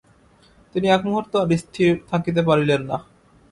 তিনি এক মুহূর্ত আর স্থির থাকিতে পারিলেন না।